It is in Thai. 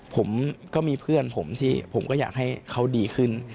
ผมก็มีเพื่อนผมที่ผมก็อยากให้เขาดีขึ้น